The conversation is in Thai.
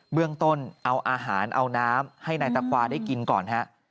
เบื้องต้นเอาอาหารเอาน้ำให้นายตะควาได้กินก่อนฮะ